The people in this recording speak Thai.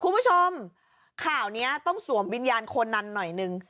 คุณผู้ชมข่าวนี้ต้องสวมวิญญาณโคนันหน่อยนึง